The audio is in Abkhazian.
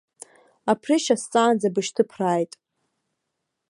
Аԥрышьа сҵаанӡа бышьҭыԥрааит!